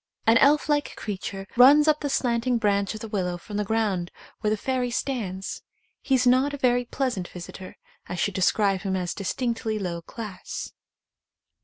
An elf like creature runs up the slanting branch of the willow from the ground where the fairy stands. He is not a very pleasant visitor — I should describe him as distinctly low class.